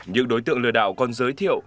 những đối tượng lừa đảo còn giới thiệu